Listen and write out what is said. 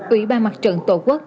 ủy ban mặt trận tổ quốc